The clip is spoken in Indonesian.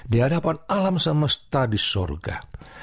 di hadapan alam semesta di surga